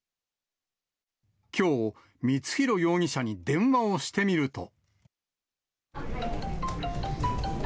きょう、光弘容疑者に電話をしてみると。